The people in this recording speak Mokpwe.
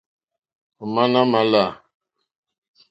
Ò má nà mà lá.